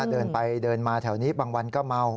เดินไปเดินมาแถวนี้บางวันก็เมา